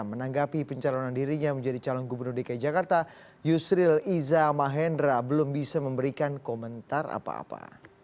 menanggapi pencalonan dirinya menjadi calon gubernur dki jakarta yusril iza mahendra belum bisa memberikan komentar apa apa